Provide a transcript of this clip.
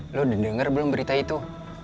lo udah dengar belum berita itu